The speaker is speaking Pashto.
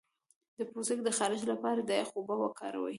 د پوستکي د خارښ لپاره د یخ اوبه وکاروئ